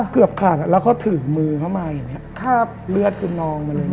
เกือบขาดแล้วเขาถือมือเข้ามาอย่างนี้ครับเลือดคือนองมาเลยนะ